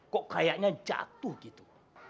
kok kayaknya jatuh gitu